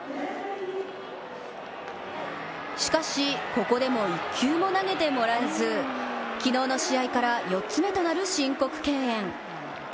しかし、ここでも一球も投げてもらえず昨日の試合から４つ目となる申告敬遠。